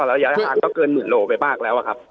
แล้วยาภาคก็เกินหมื่นโลไปบ้างแล้วอะครับ